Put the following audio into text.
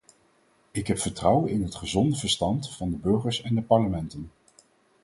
Ik heb vertrouwen in het gezonde verstand van de burgers en de parlementen.